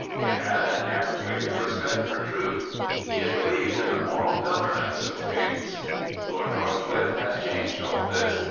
It had an antiquated respect for truth. It believed in the moral govern ance of things. " Lord Northcliffe has changed all this.